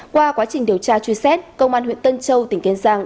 qua quá trình điều tra truy xét công an huyện tân châu tỉnh kiên giang